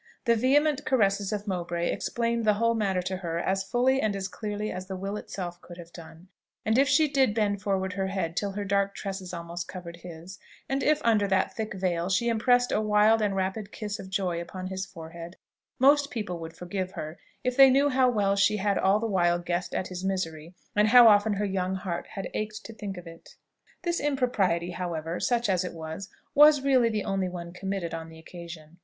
The vehement caresses of Mowbray explained the whole matter to her as fully and as clearly as the will itself could have done; and if she did bend forward her head till her dark tresses almost covered his and if under that thick veil she impressed a wild and rapid kiss of joy upon his forehead, most people would forgive her if they knew how well she had all the while guessed at his misery, and how often her young heart had ached to think of it. This impropriety, however, such as it was, was really the only one committed on the occasion.